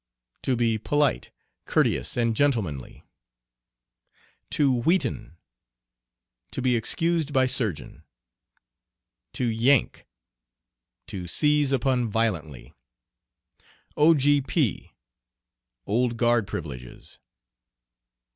To be polite, courteous, and gentlemanly. "To wheaten." To be excused by surgeon. "To yank." To seize upon violently. "O. G. P." Old guard privileges.